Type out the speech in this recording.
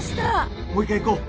もう一回行こう。